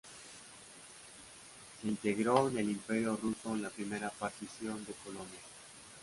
Se integró en el Imperio ruso en la Primera partición de Polonia.